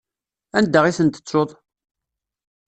Anda i ten-tettuḍ?